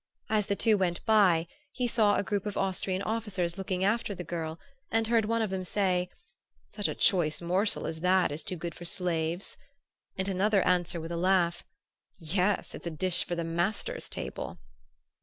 As the two went by he saw a group of Austrian officers looking after the girl, and heard one of them say: "Such a choice morsel as that is too good for slaves;" and another answer with a laugh: "Yes, it's a dish for the master's table!"